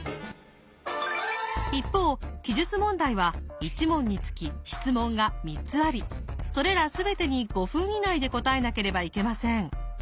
一方記述問題は１問につき質問が３つありそれら全てに５分以内で答えなければいけません。